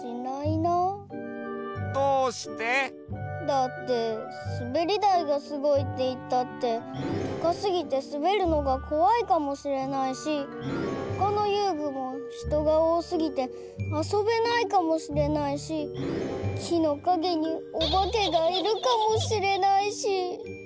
だってすべりだいがすごいっていったってたかすぎてすべるのがこわいかもしれないしほかのゆうぐもひとがおおすぎてあそべないかもしれないしきのかげにおばけがいるかもしれないし。